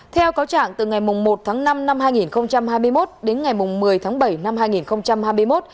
theo cáo trạng từ ngày một tháng năm năm hai nghìn hai mươi một đến ngày một mươi tháng bảy năm hai nghìn hai mươi một